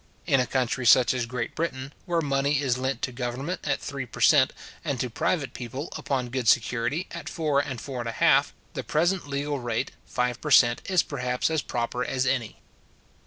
In a country such as Great Britain, where money is lent to government at three per cent. and to private people, upon good security, at four and four and a half, the present legal rate, five per cent. is perhaps as proper as any.